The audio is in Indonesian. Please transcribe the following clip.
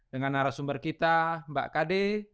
dengan arah sumber kita mbak kd